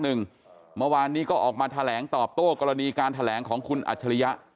เมื่อวานนี้ก็ออกมาแถลงตอบโต้กรณีการแถลงของคุณอัจฉริยะ